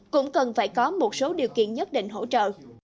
cũng cần phải có một số điều kiện nhất định hỗ trợ